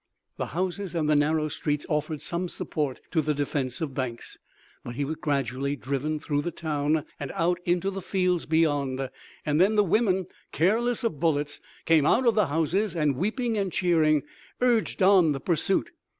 The houses and the narrow streets offered some support to the defense of Banks, but he was gradually driven through the town and out into the fields beyond. Then the women, careless of bullets, came out of the houses and weeping and cheering urged on the pursuit.